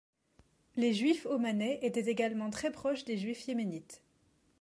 Les Juifs omanais étaient également très proches des Juifs yéménites.